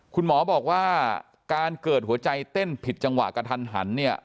คุณหมอบอกว่าการเกิดหัวใจเต้นผิดจังหวะกระทันหันเนี่ย